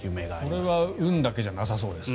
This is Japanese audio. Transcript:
これは運だけじゃなさそうですね。